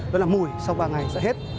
đó là mùi sau ba ngày sẽ hết